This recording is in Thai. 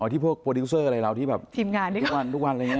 ที่พวกโปรดิวเซอร์อะไรเราที่แบบทีมงานทุกวันทุกวันอะไรอย่างนี้